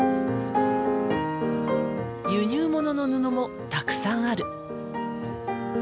輸入物の布もたくさんある。